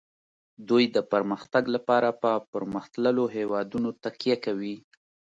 دوی د پرمختګ لپاره په پرمختللو هیوادونو تکیه کوي